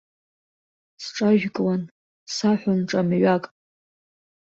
Сҿажәкуан, саҳәон ҿамҩак.